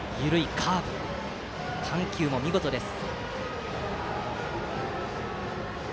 カーブ緩急も見事です。